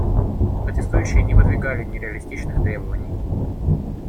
Протестующие не выдвигали нереалистичных требований.